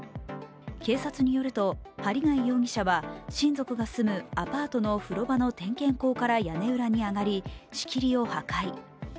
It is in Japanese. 警察によると、針谷容疑者は、親族が住むアパートの風呂場の点検口から屋根裏に上がり、仕切を破壊。